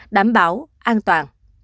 đảm bảo an toàn